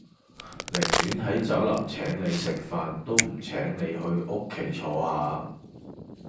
寧願喺酒樓請你食飯都唔請你去屋企坐吓